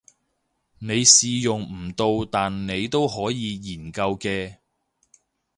你試用唔到但你都可以研究嘅